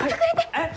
えっ？